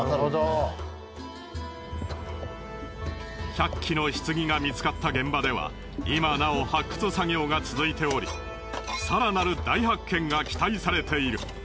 １００基の棺が見つかった現場では今なお発掘作業が続いており更なる大発見が期待されている。